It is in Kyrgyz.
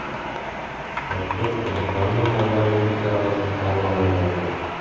Отчет Кыргызстандын парламенти тарабынан кабыл алынган эмес.